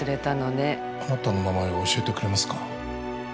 あなたの名前を教えてくれますか？